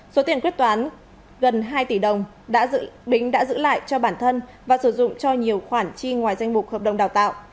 số tiền quyết toán gần hai tỷ đồng đã bính đã giữ lại cho bản thân và sử dụng cho nhiều khoản chi ngoài danh mục hợp đồng đào tạo